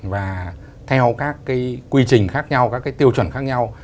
và theo các cái quy trình khác nhau các cái tiêu chuẩn khác nhau